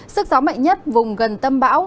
sức gió mạnh nhất vùng gần tâm bão